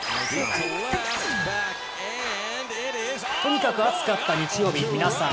とにかく暑かった日曜日、皆さん